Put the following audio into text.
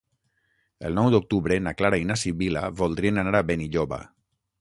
El nou d'octubre na Clara i na Sibil·la voldrien anar a Benilloba.